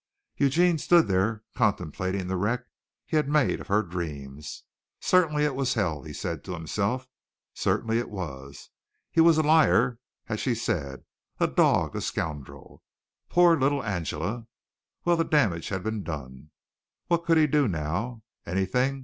Eugene stood there contemplating the wreck he had made of her dreams. Certainly it was hell, he said to himself; certainly it was. He was a liar, as she said, a dog, a scoundrel. Poor little Angela! Well, the damage had been done. What could he do now? Anything?